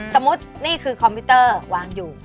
นี่คือคอมพิวเตอร์วางอยู่